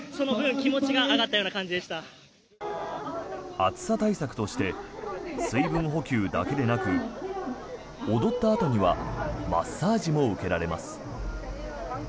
暑さ対策として水分補給だけでなく踊ったあとにはマッサージも受けられます。